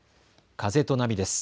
風と波です。